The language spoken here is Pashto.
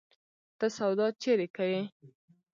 ته سودا چيري کيې؟